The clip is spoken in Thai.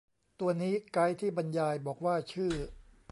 ตัวนี้ไกด์ที่บรรยายบอกว่าชื่อ